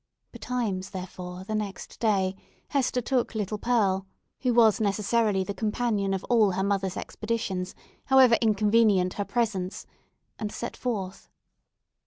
Betimes, therefore, the next day, Hester took little Pearl—who was necessarily the companion of all her mother's expeditions, however inconvenient her presence—and set forth.